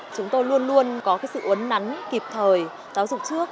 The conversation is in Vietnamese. chúng tôi luôn luôn có cái sự uấn nắn kịp thời giáo dục trước